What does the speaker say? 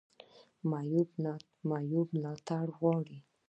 معیوب ملاتړ غواړي